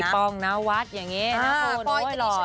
ปองนาวัดอย่างนี้น่าโฟนโดยหล่อใช่